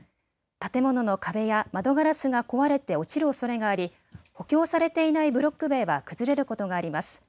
建物の壁や窓ガラスが壊れて落ちるおそれがあり補強されていないブロック塀は崩れることがあります。